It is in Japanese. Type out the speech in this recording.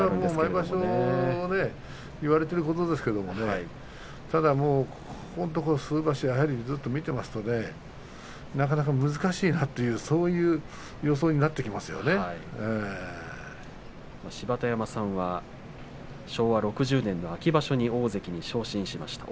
毎場所、言われていることですけれどもここんとこ数場所見ていますとなかなか難しいんだという芝田山さんは昭和６０年の秋場所に大関に昇進しました。